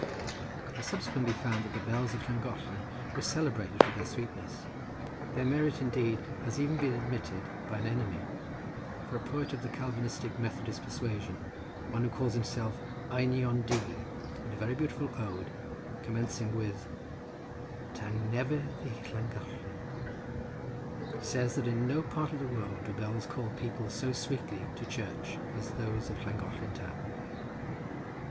I subsequently found that the bells of Llangollen were celebrated for their sweetness. Their merit indeed has even been admitted by an enemy; for a poet of the Calvinistic Methodist persuasion, one who calls himself Einion Du, in a very beautiful ode, commencing with— "Tangnefedd i Llangollen," says that in no part of the world do bells call people so sweetly to church as those of Llangollen town.